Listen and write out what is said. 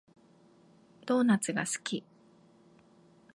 ドーナツが好き